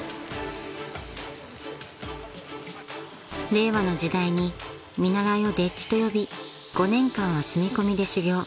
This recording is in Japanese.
［令和の時代に見習いを丁稚と呼び５年間は住み込みで修業。